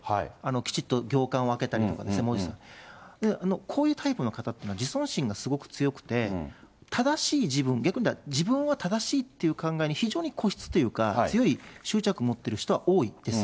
きちっと行間を開けたりとか、こういうタイプの方っていうのは自尊心がすごく強くて、正しい自分、逆にいったら、自分は正しいっていう考えに、非常に固執というか、強い執着を持ってる人は多いです。